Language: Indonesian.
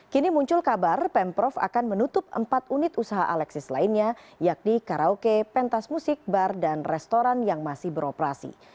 kini muncul kabar pemprov akan menutup empat unit usaha alexis lainnya yakni karaoke pentas musik bar dan restoran yang masih beroperasi